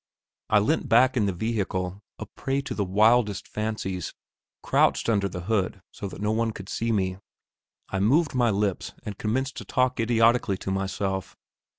I leant back in the vehicle, a prey to the wildest fancies; crouched under the hood so that no one could see me. I moved my lips and commenced to I talk idiotically to myself.